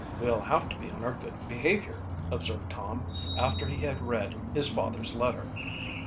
we'll have to be on our good behavior," observed Tom, after he had read his father's letter.